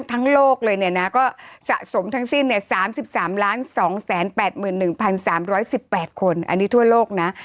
ทั้งโลกเลยเนี่ยนะก็สะสมทั้งสิ้น๓๓๒๘๑๓๑๘คนอันนี้ทั่วโลกนะ